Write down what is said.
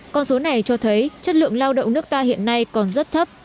con số này cho thấy chất lượng lao động nước ta hiện nay còn rất thấp